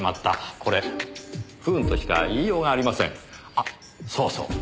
あっそうそう。